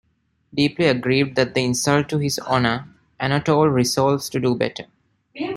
Deeply aggrieved at the insult to his honor, Anatole resolves to do better.